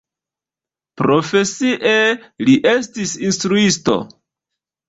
Profesie li estis instruisto.